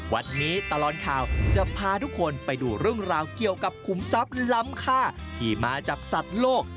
วันนี้ตลอดข่าวจะพาทุกคนไปดูเรื่องราวเกี่ยวกับขุมทรัพย์ล้ำค่าที่มาจากสัตว์โลก